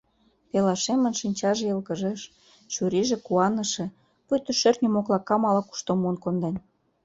Пелашемын шинчаже йылгыжеш, чурийже куаныше, пуйто шӧртньӧ моклакам ала-кушто муын конден.